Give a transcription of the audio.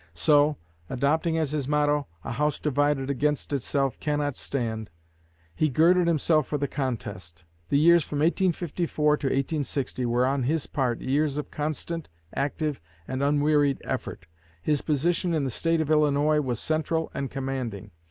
So, adopting as his motto, 'A house divided against itself cannot stand,' he girded himself for the contest. The years from 1854 to 1860 were on his part years of constant, active, and unwearied effort. His position in the State of Illinois was central and commanding.